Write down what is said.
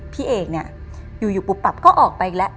พี่เอกเนี่ยอยู่ปุ๊บปับก็ออกไปอีกแล้ว